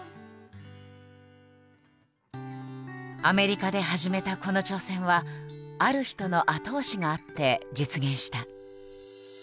アメリカで始めたこの挑戦はある人の後押しがあって実現した。